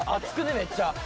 めっちゃ。